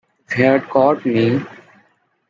If he had caught me!